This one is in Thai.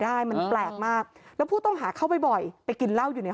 ได้มันแปลกมากแล้วผู้ต้องหาเข้าไปบ่อยไปกินเหล้าอยู่ใน